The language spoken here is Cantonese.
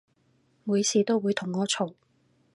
每次都會同我嘈